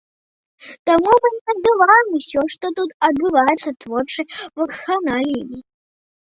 Таму мы і называем усё, што тут адбываецца творчай вакханаліяй.